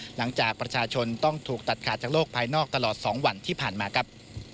หลังจากประชาชนต้องถูกตัดขาดจากโลกภายนอกตลอด๒วันที่ผ่านมาครับ